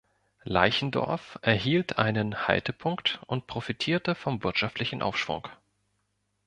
Leichendorf erhielt einen Haltepunkt und profitierte vom wirtschaftlichen Aufschwung.